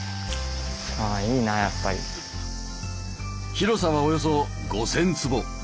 広さはおよそ５，０００坪。